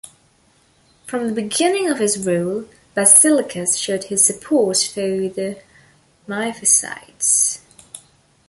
From the beginning of his rule, Basiliscus showed his support for the Miaphysites.